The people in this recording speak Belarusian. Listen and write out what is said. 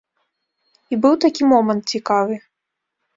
І быў такі момант цікавы.